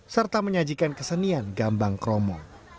serta menyajikan kesenian gambang kromo